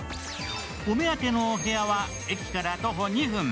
お目当てのお部屋は駅から徒歩２分